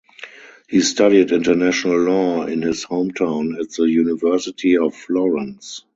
He studied international law in his hometown at the University of Florence.